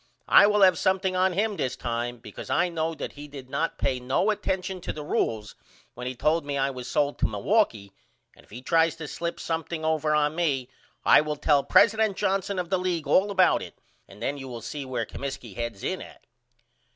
I will have something on him this time because I know that he did not pay no attention to the rules when he told me I was sold to Milwaukee and if he tries to slip something over on me I will tell president Johnson of the league all about it and then you will see where Comiskey heads in at.